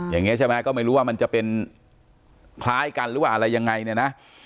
อย่างนี้ใช่ไหมก็ไม่รู้ว่ามันจะเป็นคล้ายกันหรือว่าอะไรยังไงเนี่ยนะ